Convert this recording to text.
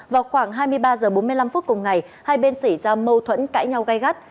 vào khoảng hai mươi ba h bốn mươi năm cùng ngày hai bên xảy ra mâu thuẫn cãi nhau gai gắt